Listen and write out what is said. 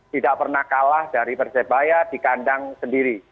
tidak pernah kalah dari persebaya di kandang sendiri